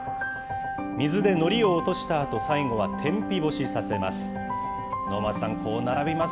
水でのりを落としたあと、最後は天日干しさせます。